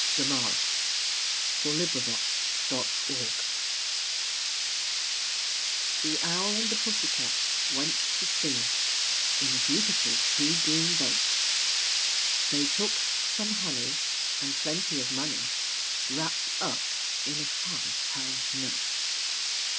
_ THE OWL AND THE PUSSY CAT The Owl and the Pussy Cat went to sea In a beautiful pea green boat: They took some honey, and plenty of money Wrapped up in a five pound note.